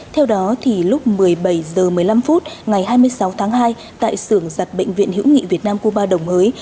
theo đó lúc một mươi bảy h một mươi năm phút ngày hai mươi sáu tháng hai tại sưởng giặt bệnh viện hữu nghị việt nam cuba đồng hới